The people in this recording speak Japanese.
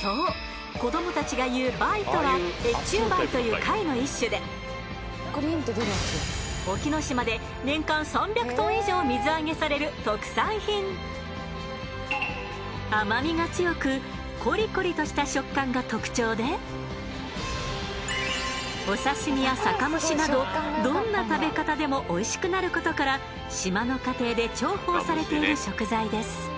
そう子どもたちが言うバイとはエッチュウバイという貝の一種で隠岐の島で年間３００トン以上水揚げされる特産品。が特徴でお刺身や酒蒸しなどどんな食べ方でもおいしくなる事から島の家庭で重宝されている食材です。